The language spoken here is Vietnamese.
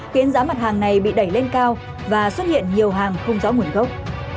khiến giá mặt hàng này bị đẩy lên cao và xuất hiện nhiều hàng không rõ nguồn gốc